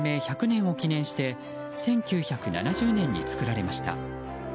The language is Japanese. １００年を記念して１９７０年に造られました。